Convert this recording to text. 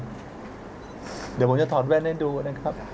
เดี๋ยวผมจะถอดแว่นให้ดูนะครับ